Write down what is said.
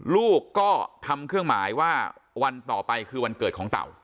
ลูกก็ทำเครื่องหมายว่าวันต่อไปคือวันเกิดของเต่า